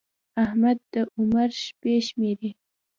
احمد د عمر شپې شمېري.